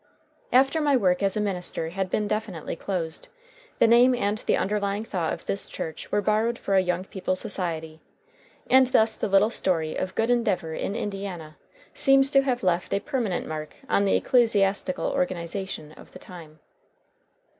After my work as a minister had been definitely closed, the name and the underlying thought of this church were borrowed for a young people's society; and thus the little story of good endeavor in Indiana seems to have left a permanent mark on the ecclesiastical organization of the time.